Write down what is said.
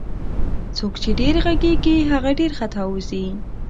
څوک چي ډير ږغږي هغه ډير خطاوزي